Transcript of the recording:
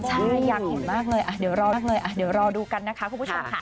ใช่อยากเห็นมากเลยเดี๋ยวรอดูกันนะคะคุณผู้ชมค่ะ